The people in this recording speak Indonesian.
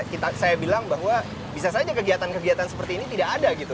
benar nggak kalau misalnya saya bilang bahwa bisa saja kegiatan kegiatan seperti ini tidak ada gitu